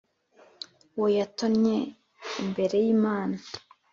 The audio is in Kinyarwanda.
Uwo yatonnye e imbere y Imana